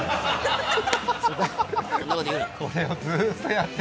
そんなこと言うな。